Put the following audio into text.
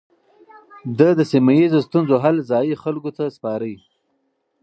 ده د سيمه ييزو ستونزو حل ځايي خلکو ته سپاره.